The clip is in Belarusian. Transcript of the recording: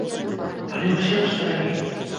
Але ўсе ў страі.